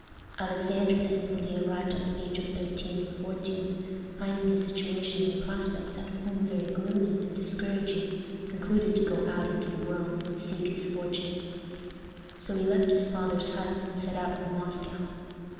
Alexander, then, when he arrived at the age of thirteen or fourteen, finding his situation and prospects at home very gloomy and discouraging, concluded to go out into the world and seek his fortune. So he left his father's hut and set out for Moscow.